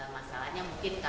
masalahnya mungkin kalau